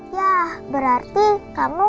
yah berarti kamu